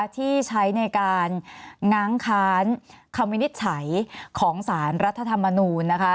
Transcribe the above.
ที่ใช้ในการง้างค้านคำวินิจฉัยของสารรัฐธรรมนูลนะคะ